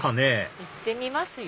行ってみますよ。